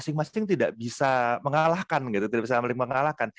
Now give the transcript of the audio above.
masing masing tidak bisa mengalahkan tidak bisa saling mengalahkan